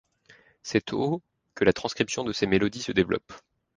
C'est au que la transcription de ces mélodies se développe.